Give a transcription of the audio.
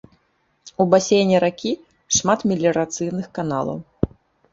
У басейне ракі шмат меліярацыйных каналаў.